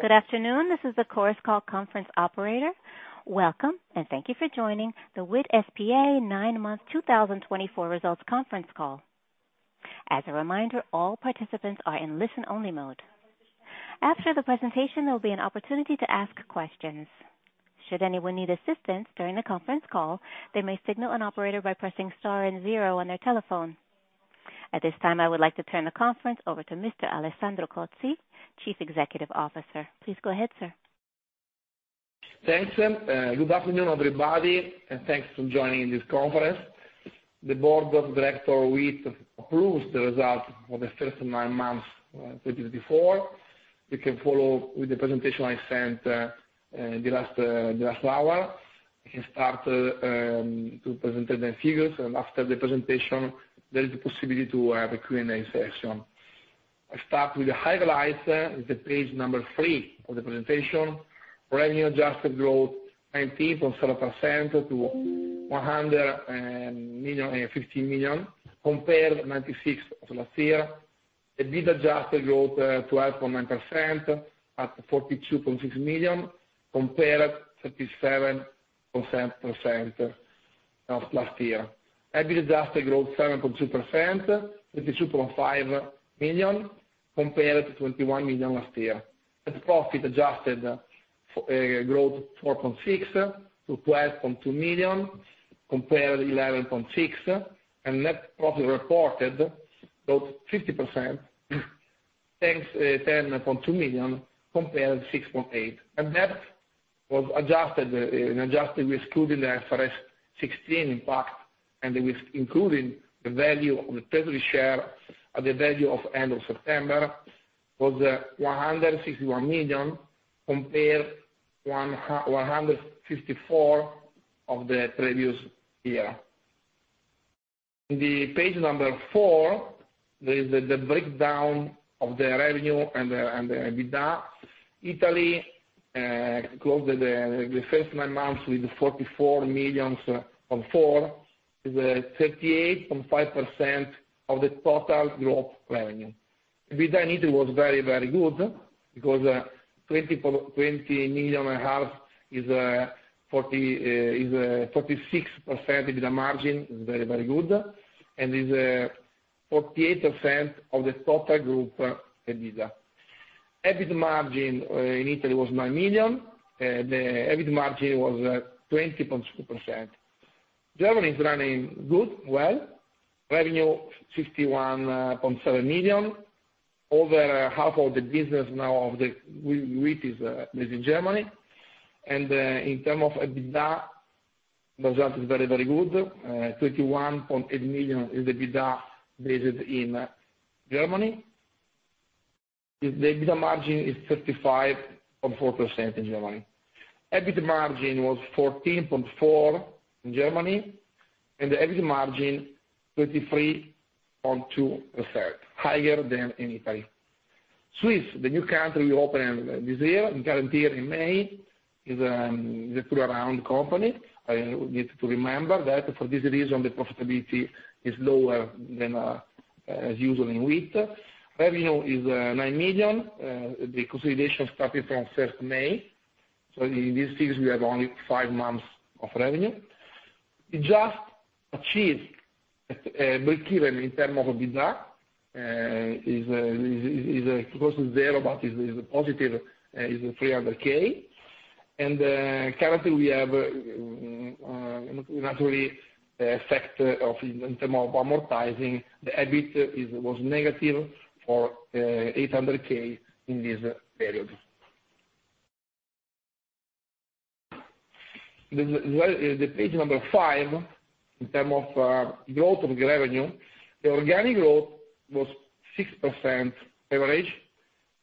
Good afternoon. This is the Chorus Call conference operator. Welcome, and thank you for joining the WIIT S.p.A. nine-month 2024 results conference call. As a reminder, all participants are in listen-only mode. After the presentation, there will be an opportunity to ask questions. Should anyone need assistance during the conference call, they may signal an operator by pressing star and zero on their telephone. At this time, I would like to turn the conference over to Mr. Alessandro Cozzi, Chief Executive Officer. Please go ahead, sir. Thank you. Good afternoon, everybody, and thanks for joining this conference. The Board of Directors of WIIT approves the results for the first nine months 2024. You can follow with the presentation I sent an hour ago. We can start to present the figures, and after the presentation, there is a possibility to have a Q&A session. I start with the highlights of the page number three of the presentation. Revenue adjusted growth: 19.7% to 115 million, compared to 96 million last year. EBITDA adjusted growth: 12.9% at 42.6 million, compared to 37.7 million last year. EBIT adjusted growth: 7.2%, 32.5 million, compared to 21 million last year. Net profit adjusted growth: 4.6% to 12.2 million, compared to 11.6 million. Net profit reported growth: 50%, 10.2 million, compared to 6.8 million. Net was adjusted with excluding the IFRS 16 impact and including the value of the treasury share at the value of end of September, was 161 million, compared to 154% of the previous year. In the page number 4, there is the breakdown of the revenue and the EBITDA. Italy closed the first 9 months with 44 million euros, with 38.5% of the total growth revenue. EBITDA in Italy was very, very good because 20.5 million is 36% EBITDA margin, is very, very good, and is 48% of the total group EBITDA. EBITDA margin in Italy was 9 million, and the EBITDA margin was 20.2%. Germany is running good, well. Revenue: 51.7 million. Over half of the business now of WIIT is based in Germany. In terms of EBITDA, the result is very, very good. 21.8 million is EBITDA based in Germany. The EBITDA margin is 35.4% in Germany. EBITDA margin was 14.4% in Germany, and the EBITDA margin is 23.2%, higher than in Italy. Switzerland, the new country we opened this year, current year in May, is a turnaround company. We need to remember that for this reason, the profitability is lower than as usual in WIIT. Revenue is 9 million. The consolidation started from 1st May. So in these figures, we have only five months of revenue. We just achieved a break-even in terms of EBITDA. It's close to zero, but it's positive, is 300K. And currently, we have naturally the effect of in terms of amortizing, the EBIT was negative for 800K in this period. The page number five, in terms of growth of the revenue, the organic growth was 6% average.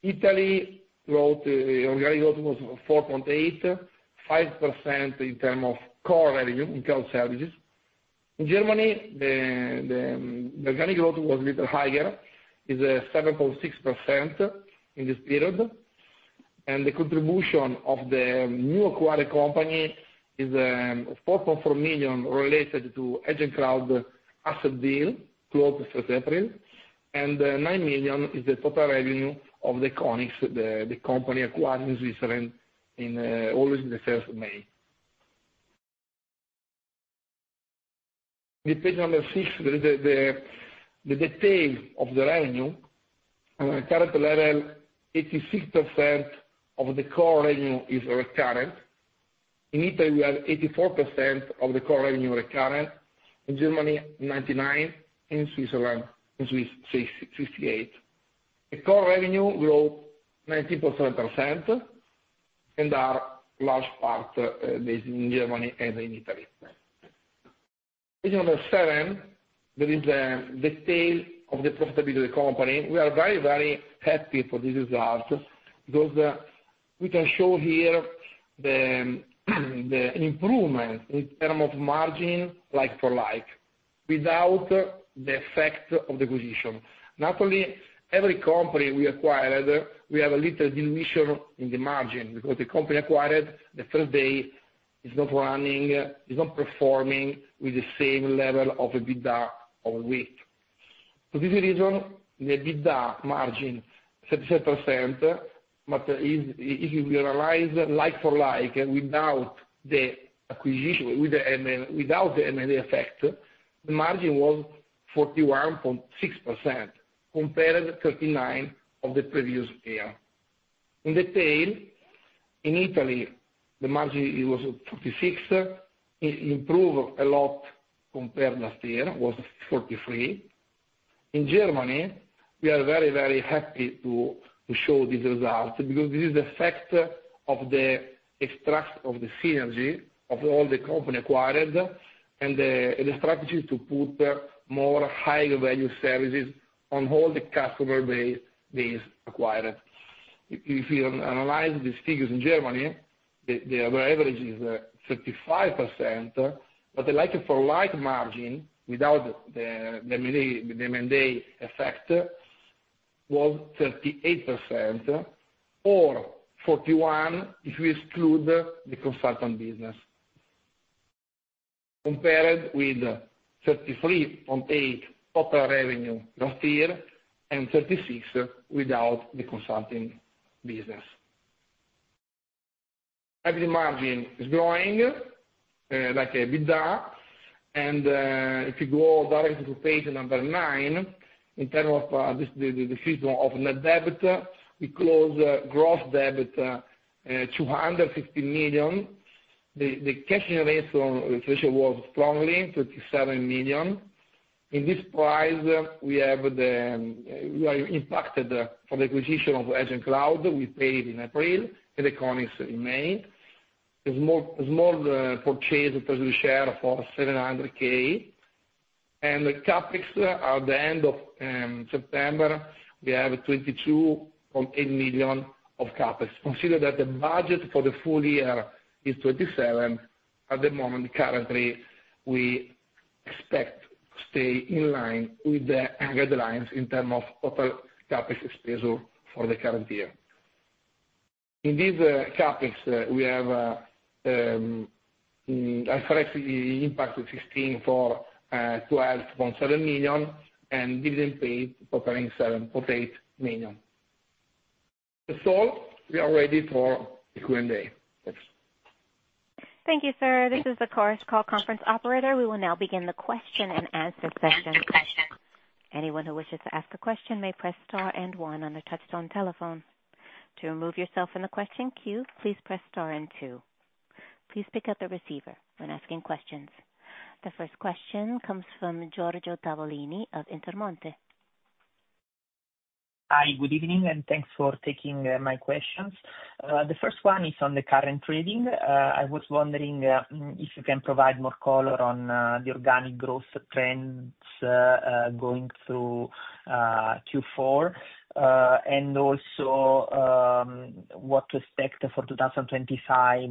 Italy's organic growth was 4.8%, 5% in terms of core revenue in core services. In Germany, the organic growth was a little higher, is 7.6% in this period. The contribution of the new acquired company is 4.4 million related to Edge & Cloud asset deal closed in first April. 9 million is the total revenue of the Econis AG, the company acquired in Switzerland, also in the first of May. Page 6, the detail of the revenue. Current level, 86% of the core revenue is recurring. In Italy, we have 84% of the core revenue recurring. In Germany, 99%. In Switzerland, 68%. The core revenue growth is 94% and a large part based in Germany and in Italy. Page 7, there is the detail of the profitability of the company. We are very, very happy for this result because we can show here the improvement in terms of margin like for like without the effect of the acquisition. Naturally, every company we acquired, we have a little dilution in the margin because the company acquired the first day is not running, is not performing with the same level of EBITDA of WIIT. For this reason, the EBITDA margin is 37%, but if we realize like for like without the acquisition, without the M&A effect, the margin was 41.6% compared to 39% of the previous year. In detail, in Italy, the margin was 46%, improved a lot compared to last year, was 43%. In Germany, we are very, very happy to show this result because this is the effect of the extraction of the synergy of all the company acquired and the strategy to put more high-value services on all the customer base acquired. If you analyze these figures in Germany, the average is 35%, but the like for like margin without the M&A effect was 38% or 41% if we exclude the consultant business, compared with 33.8% total revenue last year and 36% without the consulting business. EBITDA margin is growing like EBITDA, and if you go directly to page number 9, in terms of the figure of net debt, we closed gross debt 250 million. The cash increase was strong, 27 million. In this period, we are impacted by the acquisition of Edge & Cloud. We paid in April and the Econis in May. A small purchase of treasury share for EUR 700K. The CapEx at the end of September, we have 22.8 million of CapEx. Consider that the budget for the full year is 27 million. At the moment, currently, we expect to stay in line with the guidelines in terms of total CapEx expenditure for the current year. In this CapEx, we have IFRS 16 for 12.7 million and dividend paid totaling 7.8 million. That's all. We are ready for the Q&A. Thank you, sir. This is the Chorus Call conference operator. We will now begin the question and answer session. Anyone who wishes to ask a question may press star and one on the touch-tone telephone. To remove yourself from the question queue, please press star and two. Please pick up the receiver when asking questions. The first question comes from Giorgio Tavolini of Intermonte. Hi, good evening, and thanks for taking my questions. The first one is on the current trading. I was wondering if you can provide more color on the organic growth trends going through Q4 and also what to expect for 2025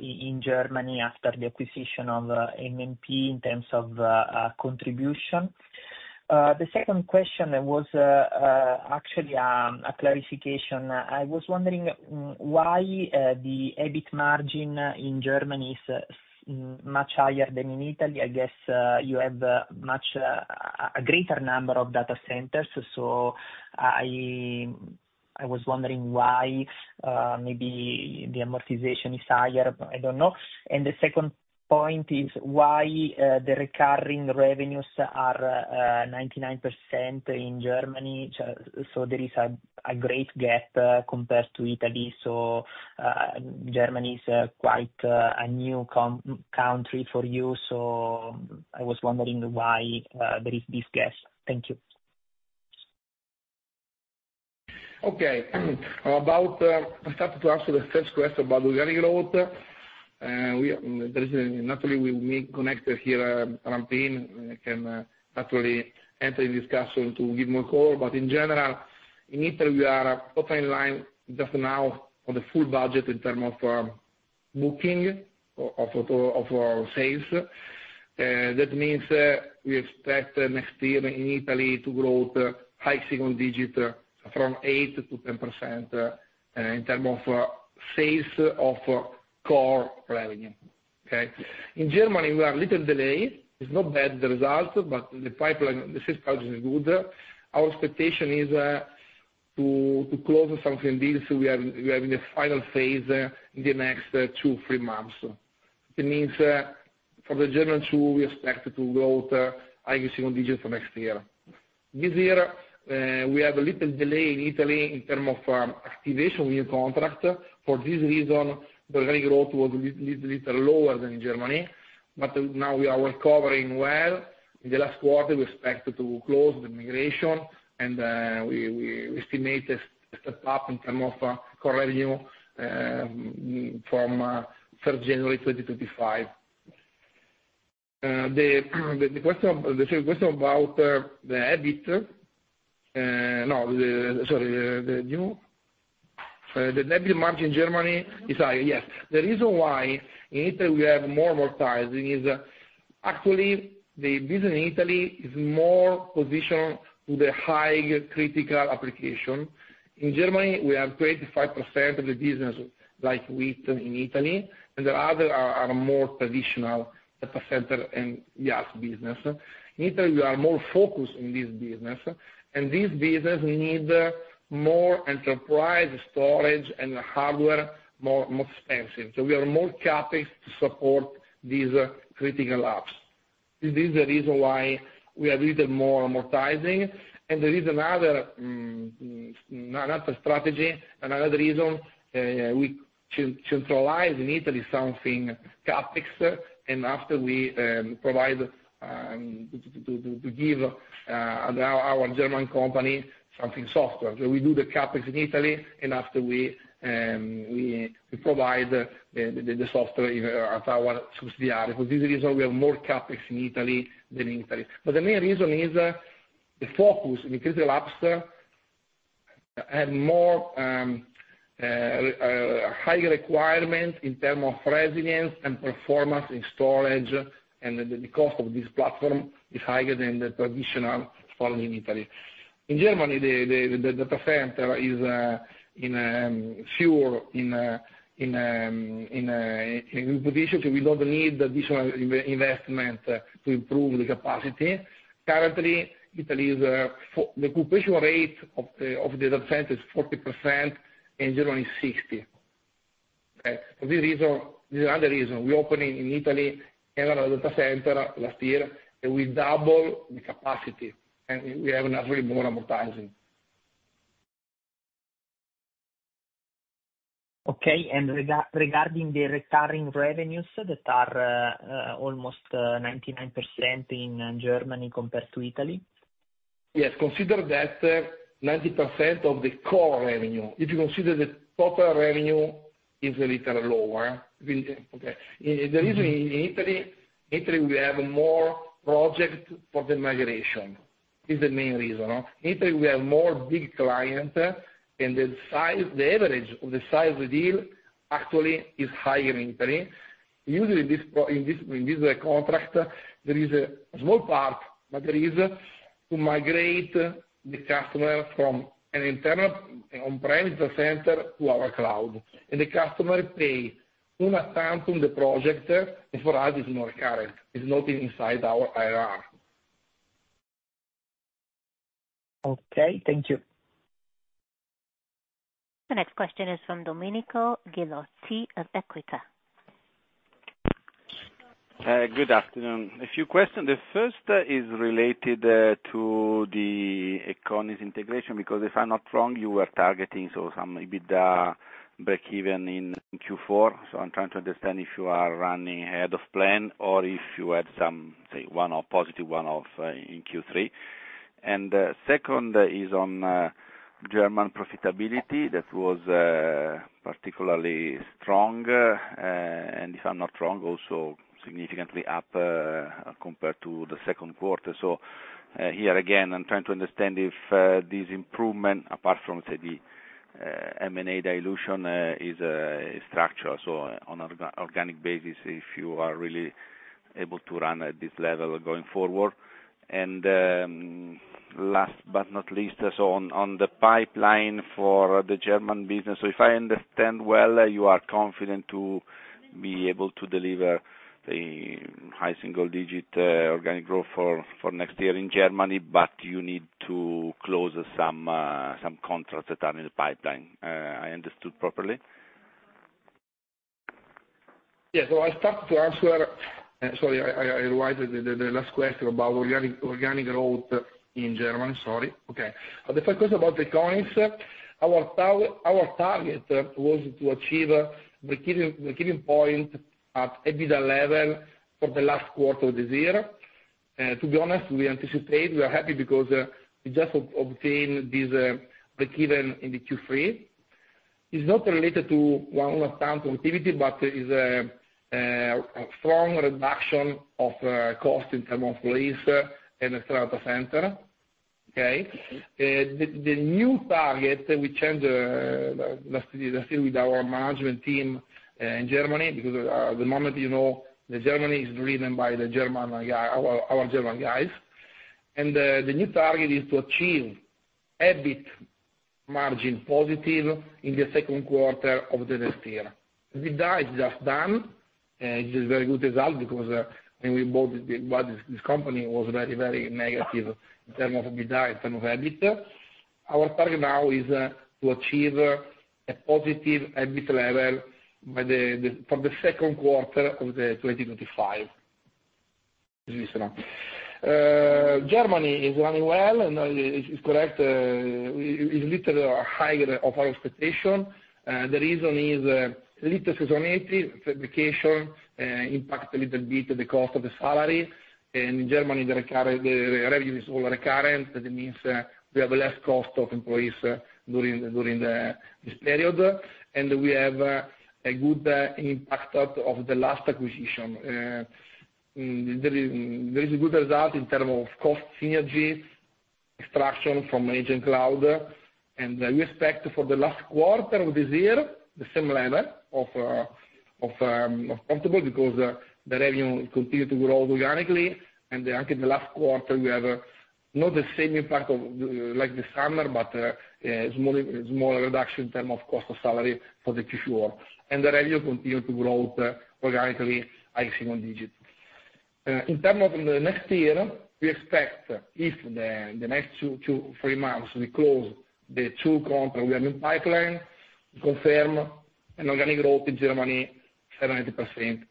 in Germany after the acquisition of M&P in terms of contribution. The second question was actually a clarification. I was wondering why the EBIT margin in Germany is much higher than in Italy. I guess you have a greater number of data centers, so I was wondering why maybe the amortization is higher. I don't know, and the second point is why the recurring revenues are 99% in Germany, so there is a great gap compared to Italy, so Germany is quite a new country for you, so I was wondering why there is this gap. Thank you. Okay. I started to answer the first question about organic growth. Naturally, we will be connected here. Our team can naturally enter in discussion to give more color, but in general, in Italy, we are totally in line just now on the full budget in terms of booking of sales. That means we expect next year in Italy to grow to high single digit from 8%-10% in terms of sales of core revenue. In Germany, we are a little delayed. It's not bad, the result, but the pipeline, the sales project is good. Our expectation is to close something deal. We are in the final phase in the next two, three months. That means for the German total, we expect to grow to high single digit for next year. This year, we have a little delay in Italy in terms of activation of new contracts. For this reason, the organic growth was a little lower than in Germany, but now we are recovering well. In the last quarter, we expect to close the migration, and we estimate a step up in terms of core revenue from 1st January 2025. The question about the EBIT no, sorry, the EBIT margin in Germany is higher. Yes. The reason why in Italy we have more amortizing is actually the business in Italy is more positioned to the high critical application. In Germany, we have 25% of the business like WIIT in Italy, and the others are more traditional data center and IaaS business. In Italy, we are more focused on this business, and this business needs more enterprise storage and hardware, more expensive. So we are more CapEx to support these critical apps. This is the reason why we are a little more amortizing, and there is another strategy and another reason. We centralize in Italy something CapEx, and after we provide to give our German company something software, so we do the CapEx in Italy, and after we provide the software at our subsidiary. For this reason, we have more CapEx in Italy than in Italy, but the main reason is the focus in critical apps and more high requirements in terms of resilience and performance in storage, and the cost of this platform is higher than the traditional storage in Italy. In Germany, the data center is fewer in reputation, so we don't need additional investment to improve the capacity. Currently, Italy's occupation rate of the data center is 40%, and Germany is 60%. For this reason, this is another reason. We opened in Italy another data center last year, and we doubled the capacity, and we have naturally more amortizing. Okay. And regarding the recurring revenues that are almost 99% in Germany compared to Italy? Yes. Consider that 90% of the core revenue. If you consider the total revenue, it's a little lower. Okay. The reason in Italy we have more projects for the migration is the main reason. In Italy, we have more big clients, and the average of the size of the deal actually is higher in Italy. Usually, in this contract, there is a small part, but there is to migrate the customer from an internal on-prem data center to our cloud, and the customer pays full attention to the project, and for us, it's more current. It's not inside our IRR. Okay. Thank you. The next question is from Domenico Ghilotti of Equita. Good afternoon. A few questions. The first is related to the Econis integration because if I'm not wrong, you were targeting some EBITDA break-even in Q4. So I'm trying to understand if you are running ahead of plan or if you had some, say, one-off, positive one-off in Q3. And the second is on German profitability that was particularly strong, and if I'm not wrong, also significantly up compared to the second quarter. So here again, I'm trying to understand if this improvement, apart from, say, the M&A dilution, is structural. So on an organic basis, if you are really able to run at this level going forward. And last but not least, so on the pipeline for the German business, so if I understand well, you are confident to be able to deliver the high single digit organic growth for next year in Germany, but you need to close some contracts that are in the pipeline. I understood properly? Yes, so I started to answer. Sorry, I revised the last question about organic growth in Germany. Sorry. Okay. The first question about the Econis, our target was to achieve a break-even point at EBITDA level for the last quarter of this year. To be honest, we anticipate we are happy because we just obtained this break-even in Q3. It's not related to one-off account activity, but it's a strong reduction of cost in terms of lease and external data center. Okay. The new target, we change it still with our management team in Germany because at the moment, Germany is driven by our German guys, and the new target is to achieve EBIT margin positive in the second quarter of the next year. EBITDA is just done. It is a very good result because when we bought this company, it was very, very negative in terms of EBITDA, in terms of EBITDA. Our target now is to achieve a positive EBIT level for the second quarter of 2025. Germany is running well, and it's correct. It's a little higher than our expectation. The reason is a little seasonality. Vacation impacts a little bit the cost of the salary. In Germany, the revenue is all recurring. That means we have less cost of employees during this period, and we have a good impact of the last acquisition. There is a good result in terms of cost synergy extraction from Edge & Cloud, and we expect for the last quarter of this year the same level of profitability because the revenue continues to grow organically. Then in the last quarter, we have not the same impact like the summer, but a smaller reduction in terms of cost of salary for the Q4. The revenue continues to grow organically, high single digit. In terms of the next year, we expect if in the next two, three months we close the two contracts we have in pipeline, confirm an organic growth in Germany, 70%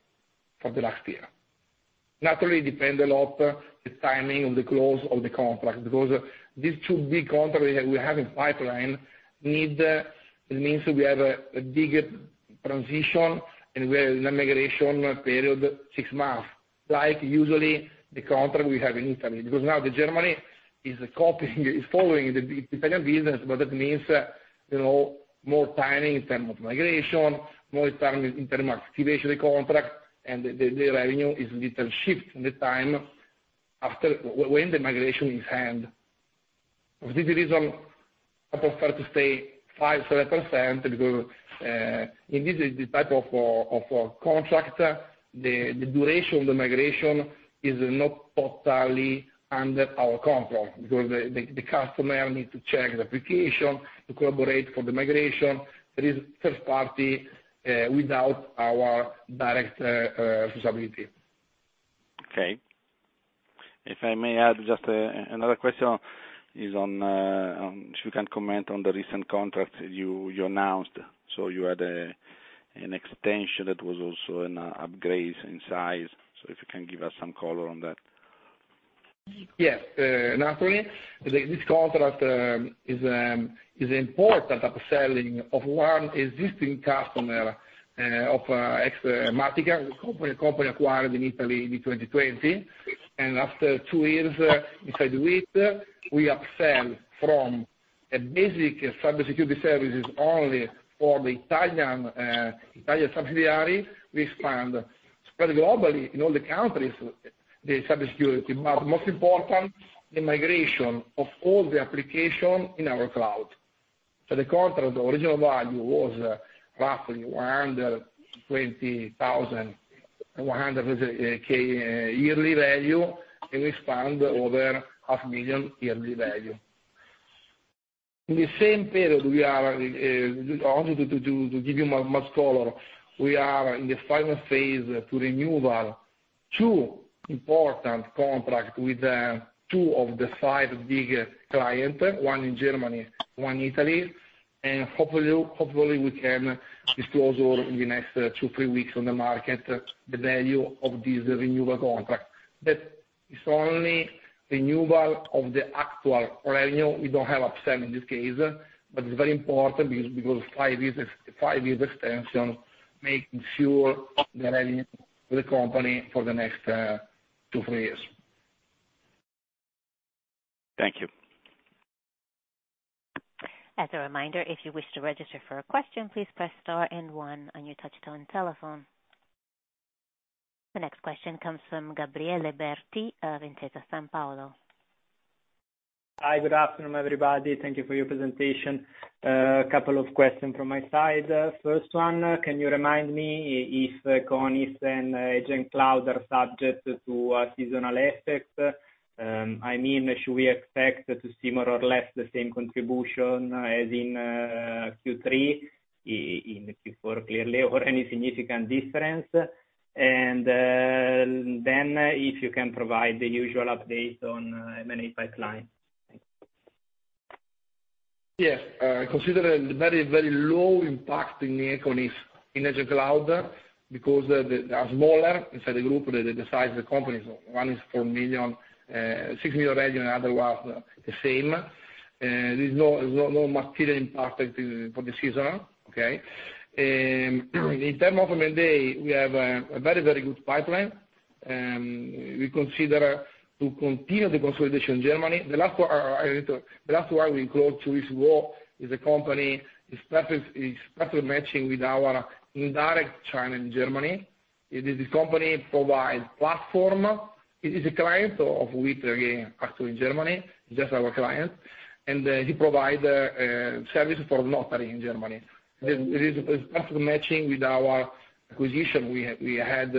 for the last year. Naturally, it depends a lot on the timing of the close of the contract because these two big contracts we have in pipeline need that means we have a bigger transition, and we are in a migration period, six months, like usually the contract we have in Italy because now Germany is following the Italian business, but that means more timing in terms of migration, more time in terms of activation of the contract, and the revenue is a little shift in the time after when the migration is handed. For this reason, I prefer to stay 5%-7% because in this type of contract, the duration of the migration is not totally under our control because the customer needs to check the application to collaborate for the migration. There is third party without our direct responsibility. Okay. If I may add just another question is on if you can comment on the recent contract you announced. So you had an extension that was also an upgrade in size. So if you can give us some color on that. Yes. Naturally, this contract is an important upselling of one existing customer of Matika, a company acquired in Italy in 2020, and after two years inside WIIT, we upsell from a basic cybersecurity services only for the Italian subsidiary. We expand spread globally in all the countries, the cybersecurity, but most importantly, the migration of all the applications in our cloud, so the contract original value was roughly EUR 120,000, 100K yearly value, and we spend over 500,000 yearly value. In the same period, we are also to give you much color, we are in the final phase to renew our two important contracts with two of the five big clients, one in Germany, one in Italy, and hopefully, we can disclose over the next two, three weeks on the market the value of this renewal contract. That is only renewal of the actual revenue. We don't have upsell in this case, but it's very important because five years extension makes sure the revenue for the company for the next two, three years. Thank you. As a reminder, if you wish to register for a question, please press star and one on your touchtone telephone. The next question comes from Gabriele Berti of Intesa Sanpaolo. Hi. Good afternoon, everybody. Thank you for your presentation. A couple of questions from my side. First one, can you remind me if Econis and Edge & Cloud are subject to seasonal effects? I mean, should we expect to see more or less the same contribution as in Q3, in Q4 clearly, or any significant difference? And then if you can provide the usual update on M&A pipeline. Yes. Consider a very, very low impact in the Econis in Edge & Cloud because they are smaller inside the group, the size of the company. One is 4 million EUR, 6 million EUR revenue, and the other one the same. There's no material impact for the season. Okay. In terms of M&A, we have a very, very good pipeline. We consider to continue the consolidation in Germany. The last one I need to the last one we enclosed to this wall is a company that is perfectly matching with our indirect channel in Germany. This company provides platform. It is a client of WIIT, actually in Germany, just our client, and he provides services for notary in Germany. It is perfectly matching with our acquisition we had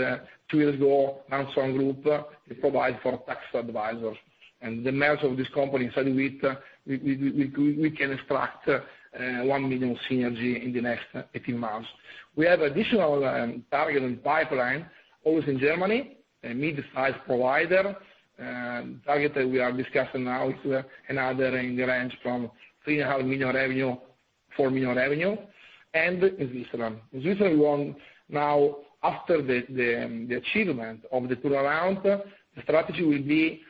two years ago, LANSOL, to provide for tax advisors. The merger of this company inside WIIT, we can extract 1 million synergy in the next 18 months. We have additional targeted pipeline always in Germany, a mid-size provider. The target that we are discussing now is another in the range from 3.5 million revenue, 4 million revenue, and in Switzerland. In Switzerland, we want now, after the achievement of the turnaround, the strategy will be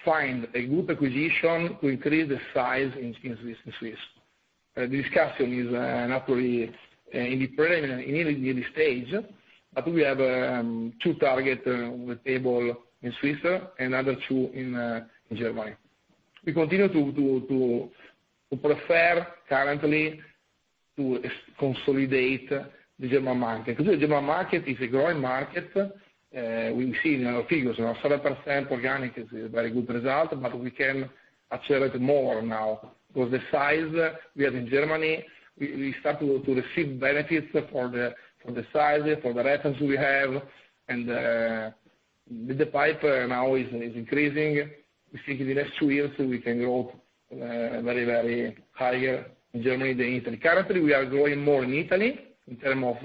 to find a good acquisition to increase the size in Swiss. The discussion is naturally in the early stage, but we have two targets on the table in Switzerland and another two in Germany. We continue to prefer currently to consolidate the German market because the German market is a growing market. We see in our figures 7% organic is a very good result, but we can accelerate more now because the size we have in Germany, we start to receive benefits for the size, for the reference we have, and the pipe now is increasing. We think in the next two years, we can grow very, very higher in Germany than Italy. Currently, we are growing more in Italy in terms of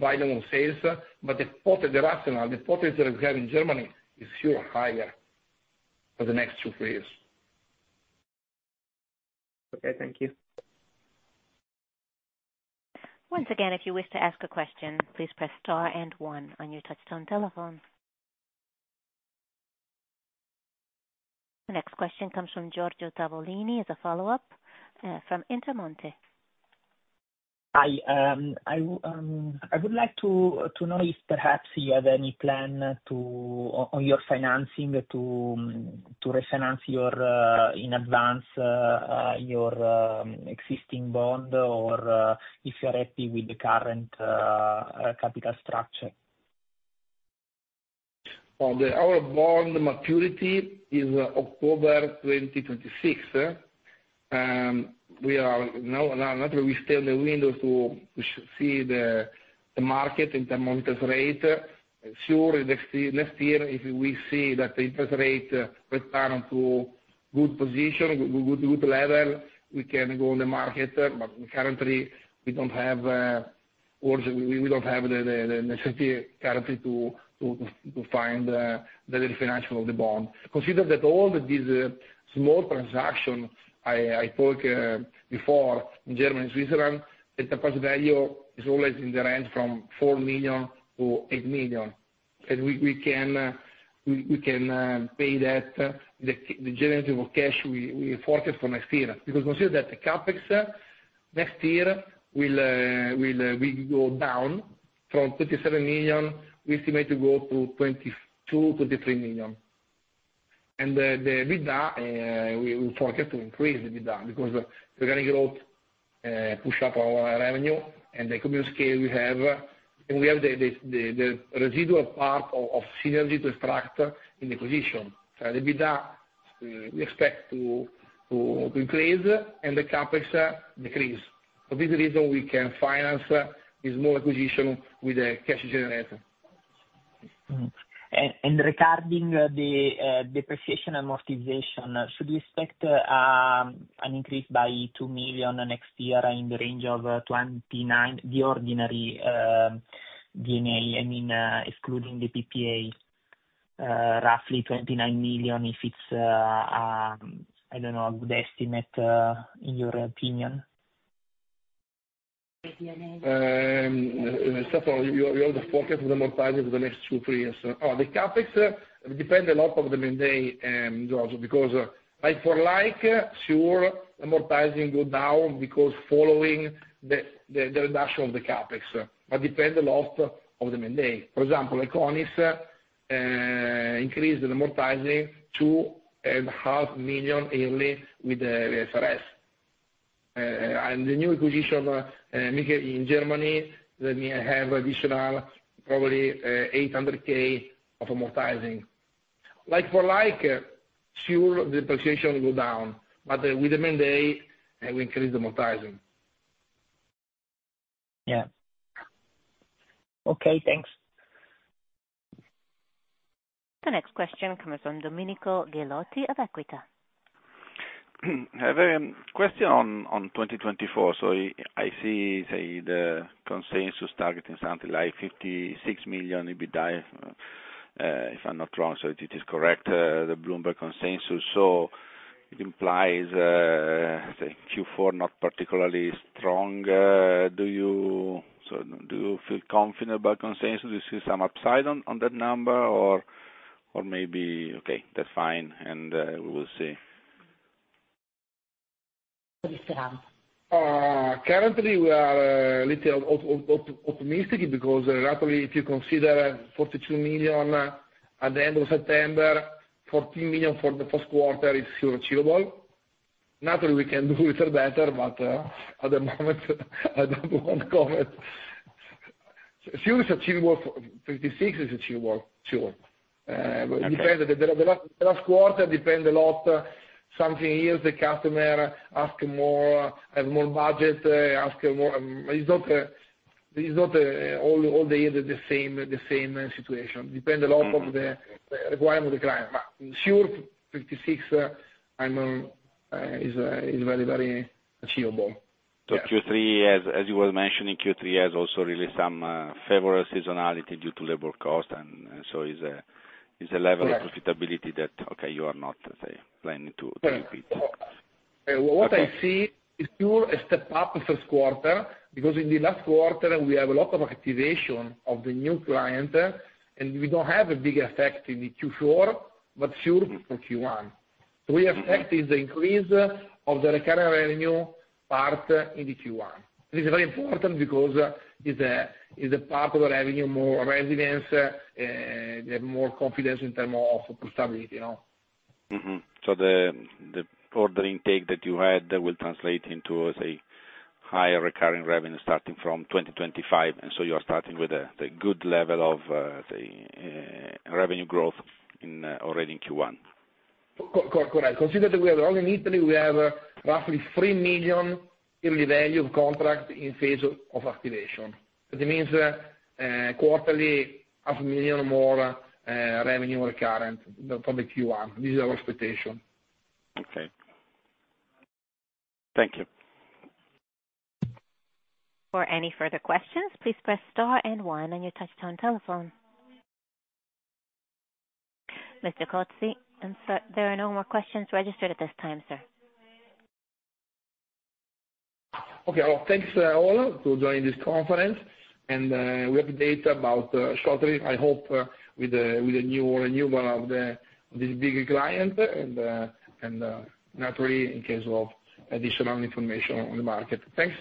volume of sales, but the potential we have in Germany is still higher for the next two, three years. Okay. Thank you. Once again, if you wish to ask a question, please press star and one on your touchtone telephone. The next question comes from Giorgio Tavolini as a follow-up from Intermonte. Hi. I would like to know if perhaps you have any plan on your financing to refinance in advance your existing bond or if you're happy with the current capital structure? Our bond maturity is October 2026. Naturally, we stay within the window to see the market in terms of interest rate. Sure, next year, if we see that the interest rate returns to good position, good level, we can go on the market. Currently, we don't have the necessity currently to find the refinancing of the bond. Consider that all these small transactions I talked before in Germany and Switzerland, the enterprise value is always in the range from 4 million to 8 million. We can pay that with the generation of cash we forecast for next year because, consider that the CapEx next year will go down from 27 million. We estimate to go to 22-23 million. And the EBITDA, we forecast to increase the EBITDA because the organic growth pushes up our revenue, and the economy scale we have, and we have the residual part of synergy to extract in the acquisition. So the EBITDA, we expect to increase, and the CapEx decrease. For this reason, we can finance this small acquisition with a cash generator. Regarding the depreciation and amortization, should we expect an increase by 2 million next year in the range of 29 million for the ordinary D&A, I mean, excluding the PPA, roughly 29 million if it's, I don't know, a good estimate in your opinion? Stop. We also forecast amortizing for the next two, three years. The CapEx depends a lot on the M&A, Giorgio, because like for like, sure, amortizing goes down because following the reduction of the CapEx, but depends a lot on the M&A. For example, the Econis increased the amortizing to 2.5 million yearly with the IFRS 16. And the new acquisition in Germany has an additional probably 800K of amortizing. Like for like, sure, the depreciation will go down, but with the M&A, we increase the amortizing. Yeah. Okay. Thanks. The next question comes from Domenico Ghilotti of Equita. I have a question on 2024. So I see the consensus targeting something like 56 million EBITDA, if I'm not wrong. So it is correct, the Bloomberg consensus. So it implies Q4 not particularly strong. Do you feel confident about consensus? Do you see some upside on that number, or maybe, okay, that's fine, and we will see? Currently, we are a little optimistic because naturally, if you consider 42 million at the end of September, 14 million for the first quarter is still achievable. Naturally, we can do it better, but at the moment, I don't want to comment. Sure, it's achievable. 56 is achievable, sure. The last quarter depends a lot. Some years, the customer asks more, has more budget, asks more. It's not all the year the same situation. It depends a lot on the requirement of the client. But sure, 56, I mean, is very, very achievable. So Q3, as you were mentioning, Q3 has also really some favorable seasonality due to labor cost, and so it's a level of profitability that, okay, you are not planning to repeat. What I see is sure a step up first quarter because in the last quarter, we have a lot of activation of the new client, and we don't have a big effect in the Q4, but sure for Q1. So we expect the increase of the recurring revenue part in the Q1. It is very important because it's a part of the revenue, more resilience, more confidence in terms of stability. So the order intake that you had will translate into a higher recurring revenue starting from 2025. And so you are starting with a good level of revenue growth already in Q1. Correct. Consider that we have only in Italy, we have roughly 3 million yearly value of contract in phase of activation. That means quarterly, 500,000 more revenue recurrent for the Q1. This is our expectation. Okay. Thank you. For any further questions, please press star and one on your touchtone telephone. Mr. Cozzi, there are no more questions registered at this time, sir. Okay. Thanks to all who joined this conference, and we have data about shortly, I hope, with a new renewal of this big client, and naturally, in case of additional information on the market. Thanks.